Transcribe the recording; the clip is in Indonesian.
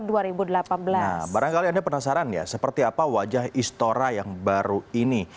nah barangkali anda penasaran ya seperti apa wajah istora yang baru ini